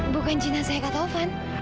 bukan cina saya kak taufan